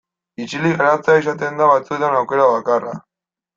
Isilik geratzea izaten da batzuetan aukera bakarra.